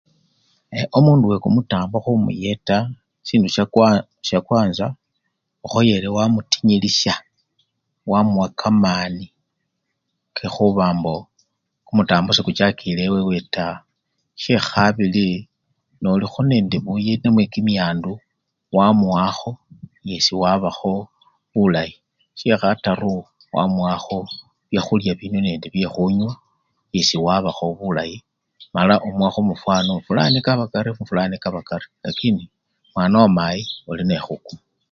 omundu wekumutambo humuyeta, sisindu shakwa shakwanza, okhoyele wamutimilisya, wamuwa kamani kehuba mboo kumutambo sekuchakile ewewe taa, shehabili, noliho nende buyeti namwe kimiyandu wamuwakho yesi wabaho bulayi, shekhataru wamuwakho byakhulya bino nende byekhulya yesii wabaho bulayi amala wamuwaho mufano ori fulani yesi kaba karyo lakini mwana wamayi olinekhukuma